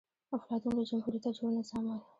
افلاطون له جمهوريته جوړ نظام وای